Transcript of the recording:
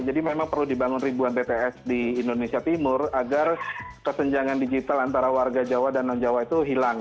jadi memang perlu dibangun ribuan dts di indonesia timur agar kesenjangan digital antara warga jawa dan non jawa itu hilang